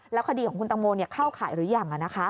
แล้วคดีของคุณตังโมเข้าขายหรือยังนะคะ